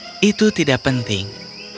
ya itu tidak penting